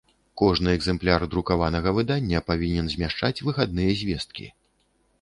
Кожны экзэмпляр друкаванага выдання павiнен змяшчаць выхадныя звесткi.